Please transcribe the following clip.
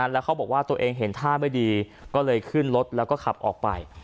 แล้วเขาบอกว่าตัวเองเห็นท่าไม่ดีก็เลยขึ้นรถแล้วก็ขับออกไป